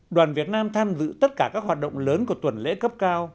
đoàn việt nam tham dự tất cả các hoạt động lớn của tuần lễ cấp cao